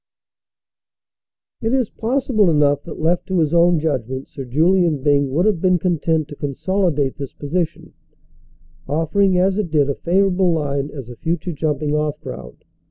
It is possible enough that left to his own judgment Sir Julian Byng would have been content to consolidate this posi tion, offering as it did a favorable line as a future jumping off ground.